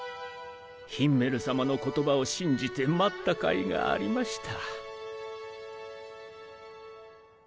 ヒンメル様の言葉を信じて待ったかいがありました。